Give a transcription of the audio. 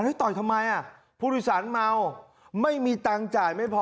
ต่อยทำไมอ่ะผู้โดยสารเมาไม่มีตังค์จ่ายไม่พอ